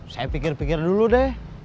saya pikir pikir dulu deh